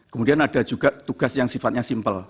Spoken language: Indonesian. kemudian ada juga tugas yang sifatnya simpel